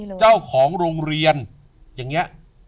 ผู้จัดเจ้าของโรงเรียนอย่างเนี่ย